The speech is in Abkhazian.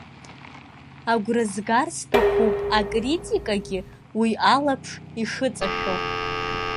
Агәра згар сҭахуп акритикагьы уи алаԥш ишыҵашәо.